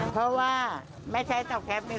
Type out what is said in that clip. ทำไมลูกแม่ไม่ต้องนอนศาลนะคะแม่